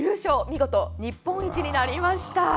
見事日本一になりました。